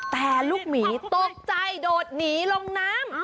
แต่ลูกหมีตกใจโดดหนีลงน้ำ